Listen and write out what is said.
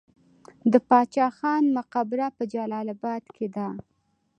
د باچا خان مقبره په جلال اباد کې ده